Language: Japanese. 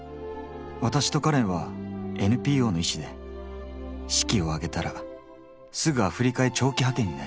私とカレンはＮＰＯの医師で式を挙げたらすぐアフリカへ長期派遣になります。